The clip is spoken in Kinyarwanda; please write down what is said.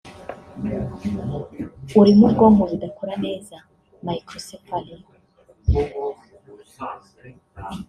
urimo ubwonko budakora neza “Microcephaly”